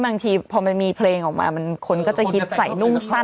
บางทีตอนนี้พอมีเพลงออกมามันคนก็จะคิดสัยนุ่มสั้น